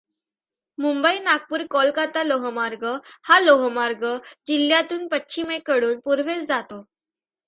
मुंबई नागपूर कोलकाता लोहमार्ग हा लोहमार्ग जिल्ह्यातून पश्चिमेकडून पूर्वेस जातो.